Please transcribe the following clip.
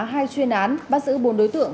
hai chuyên án bắt giữ bốn đối tượng